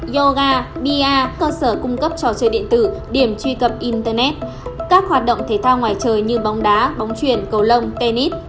yoga pa cơ sở cung cấp trò chơi điện tử điểm truy cập internet các hoạt động thể thao ngoài trời như bóng đá bóng chuyển cầu lông tennis